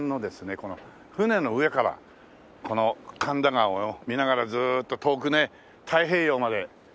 この船の上からこの神田川を見ながらずーっと遠くね太平洋まで。